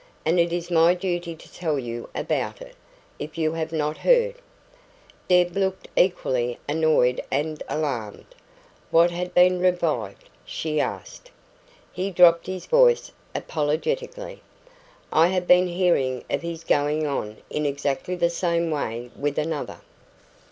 "And it is my duty to tell you about it, if you have not heard." Deb looked equally annoyed and alarmed. "What has been revived?" she asked. He dropped his voice apologetically. "I have been hearing of his going on in exactly the same way with another."